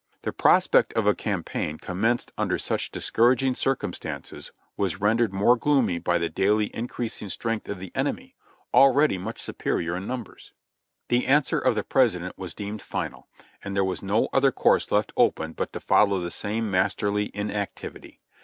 The prospect of a campaign commenced under such discouraging circumstances was rendered more gloomy by the daily increasing strength of the enemy, already much superior in numbers. The answer of the President was deemed final, and there was no other course left open but to follow the same masterly in activity.